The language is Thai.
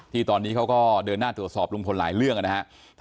ที่ตอนนี้เขาก็เดินหน้าตรวจสอบลุงพลหลายเรื่องนะครับ